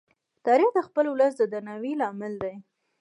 تاریخ د خپل ولس د درناوي لامل دی.